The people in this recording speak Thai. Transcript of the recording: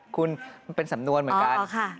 คุณมันเป็นสำนวนเหมือนกัน